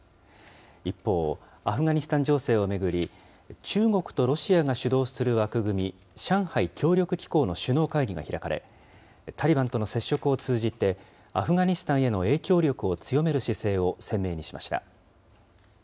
一方、アフガニスタン情勢を巡り、中国とロシアが主導する枠組み、上海協力機構の首脳会議が開かれ、タリバンとの接触を通じて、アフガニスタンへの影響力を強める姿勢を鮮明にしました。